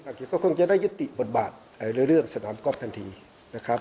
เขตก็คงจะได้ยุติบทบาทในเรื่องสนามก๊อฟทันทีนะครับ